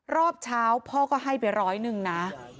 รอบเช้าพ่อก็ให้ไปร้อยหนึ่งนะ